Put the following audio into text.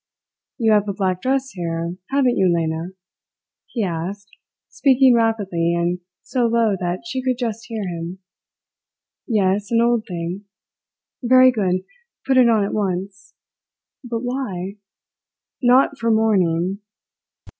"You have a black dress here, haven't you, Lena?" he asked, speaking rapidly, and so low that she could just hear him. "Yes an old thing." "Very good. Put it on at once." "But why?" "Not for mourning!"